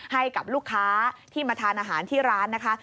ให้กับลูกค้าที่มาทานอาหารที่ร้านนะคะ